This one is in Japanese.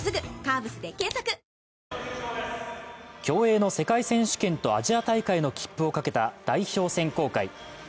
競泳の世界選手権とアジア大会の切符をかけた代表選考会。